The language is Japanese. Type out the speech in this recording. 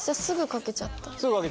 すぐ描けちゃった？